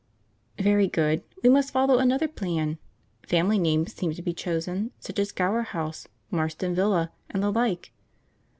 "Very good, we must follow another plan. Family names seem to be chosen, such as Gower House, Marston Villa, and the like.